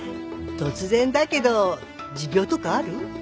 突然だけど持病とかある？